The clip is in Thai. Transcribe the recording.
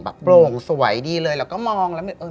แบบโปร่งสวยดีเลยเราก็มองแล้วมีอะไร